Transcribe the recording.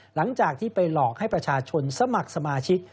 หลังจากที่ไปหลอกให้ประชาชนสมัครสมาชิก